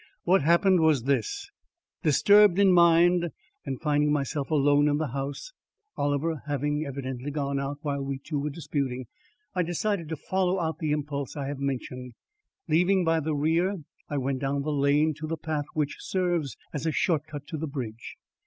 What happened was this: Disturbed in mind, and finding myself alone in the house, Oliver having evidently gone out while we two were disputing, I decided to follow out the impulse I have mentioned. Leaving by the rear, I went down the lane to the path which serves as a short cut to the bridge.